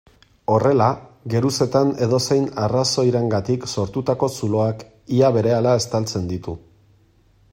Horrela, geruzetan edozein arrazoirengatik sortutako zuloak ia berehala estaltzen ditu.